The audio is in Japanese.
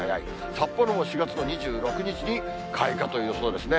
札幌も４月の２６日に開花という予想ですね。